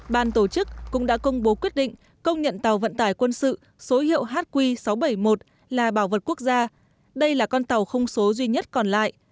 ban tổ chức cũng đã công bố quyết định công nhận tàu vận tải quân sự số hiệu hq sáu trăm bảy mươi một là bảo vật quốc gia đây là con tàu không số duy nhất còn lại